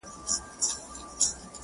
له ګلفامه سره لاس کي ېې جام راوړ-